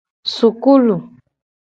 Sukulu.